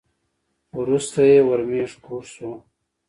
وروسته یې ورمېږ کوږ شو .